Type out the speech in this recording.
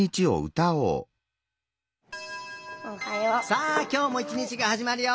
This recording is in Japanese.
さあきょうもいちにちがはじまるよ。